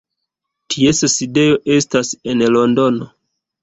Ties sidejo estas en Londono.